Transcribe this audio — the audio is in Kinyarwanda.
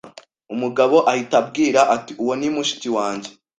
Umugabo ahita ambwira ati Uwo ni mushiki wanjye